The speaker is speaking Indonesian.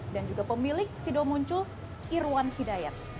dan juga pemilik sido muncul irwan hidayat